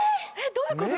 どういうこと？